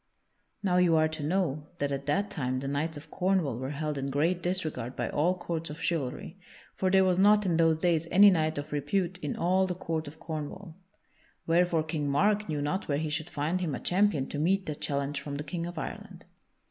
Now you are to know that at that time the knights of Cornwall were held in great disregard by all courts of chivalry; for there was not in those days any knight of repute in all the court of Cornwall. Wherefore King Mark knew not where he should find him a champion to meet that challenge from the King of Ireland.